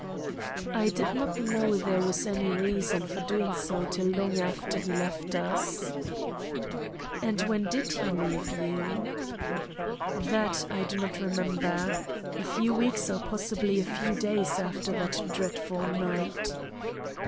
"I did not know there was any reason for doing so till long after he left us." "And when did he leave?" "That I do not remember. A few weeks or possibly a few days after that dreadful night."